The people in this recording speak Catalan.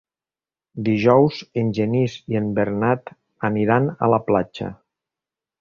Dijous en Genís i en Bernat aniran a la platja.